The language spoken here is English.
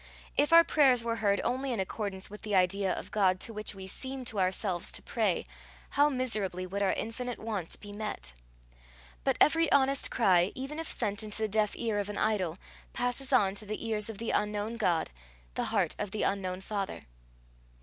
If our prayers were heard only in accordance with the idea of God to which we seem to ourselves to pray, how miserably would our infinite wants be met! But every honest cry, even if sent into the deaf ear of an idol, passes on to the ears of the unknown God, the heart of the unknown Father.